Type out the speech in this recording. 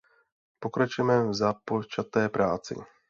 Pokračujme v započaté práci.